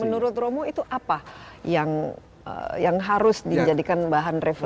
menurut romo itu apa yang harus dijadikan bahan refleksi